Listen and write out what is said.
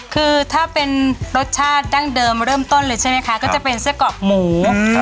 คือถ้าเป็นรสชาติดั้งเดิมเริ่มต้นเลยใช่ไหมคะก็จะเป็นไส้กรอกหมู